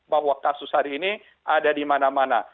bahwa kasus hari ini ada di mana mana